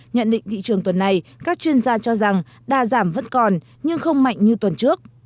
nhận định thị trường tuần này các chuyên gia cho rằng đa giảm vẫn còn nhưng không mạnh như tuần trước